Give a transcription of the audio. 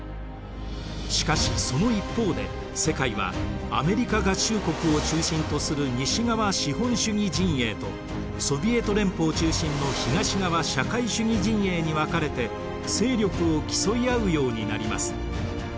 しかしその一方で世界はアメリカ合衆国を中心とする西側資本主義陣営とソヴィエト連邦中心の東側社会主義陣営に分かれて勢力を競い合うようになります。